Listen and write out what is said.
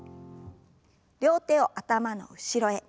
両手を頭の後ろへ。